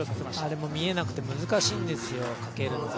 あれも見えなくて難しいんですよ、かけるのが。